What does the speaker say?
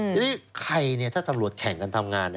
ทีนี้ใครถ้าตำรวจแข่งกันทำงาน